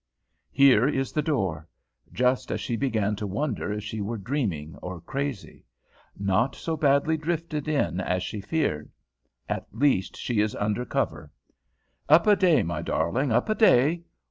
Here is the door; just as she began to wonder if she were dreaming or crazy. Not so badly drifted in as she feared. At least she is under cover. "Up a day, my darling, up a day.